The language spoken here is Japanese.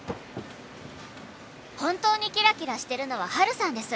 「本当にキラキラしてるのはハルさんです。